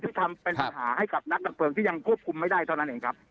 ที่ทำเป็นปัญหาให้กับนักดับเพลิงที่ยังควบคุมไม่ได้เท่านั้นเองครับ